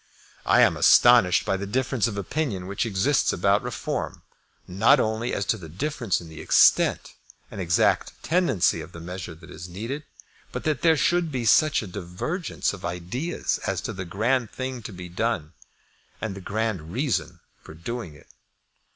I am astonished by the difference of opinion which exists about Reform, not only as to the difference in the extent and exact tendency of the measure that is needed, but that there should be such a divergence of ideas as to the grand thing to be done and the grand reason for doing it.